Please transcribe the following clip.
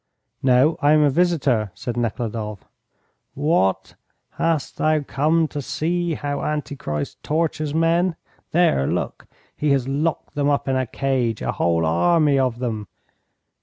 "No, I am a visitor," said Nekhludoff. "What, hast thou come to see how Antichrist tortures men? There, look, he has locked them up in a cage, a whole army of them.